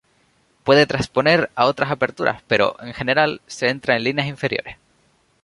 Puede transponer a otras aperturas, pero, en general, se entra en líneas inferiores.